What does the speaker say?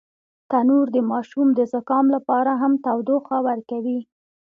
تنور د ماشوم د زکام لپاره هم تودوخه ورکوي